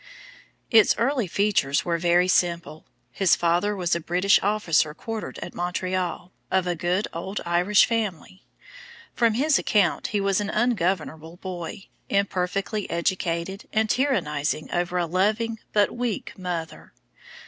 Its early features were very simple. His father was a British officer quartered at Montreal, of a good old Irish family. From his account he was an ungovernable boy, imperfectly educated, and tyrannizing over a loving but weak mother.